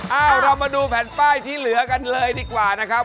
เรามาดูแผ่นป้ายที่เหลือกันเลยดีกว่านะครับ